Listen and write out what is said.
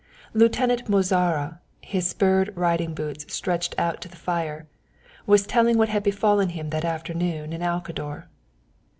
Lieutenant Mozara, his spurred riding boots stretched out to the fire, was telling what had befallen him that afternoon in Alcador.